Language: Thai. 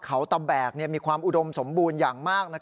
เขาตะแบกมีความอุดมสมบูรณ์อย่างมาก